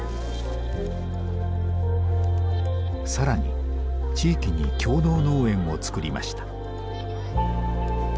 更に地域に共同農園をつくりました。